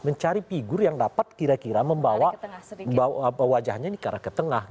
mencari figur yang dapat kira kira membawa wajahnya ke tengah